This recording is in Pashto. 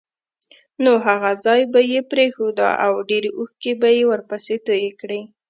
نو هغه ځای به یې پرېښود او ډېرې اوښکې به یې ورپسې تویې کړې.